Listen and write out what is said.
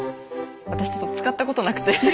私ちょっと使ったことなくて。